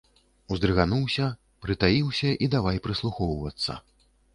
Уздрыгануўся, прытаіўся і давай прыслухоўвацца.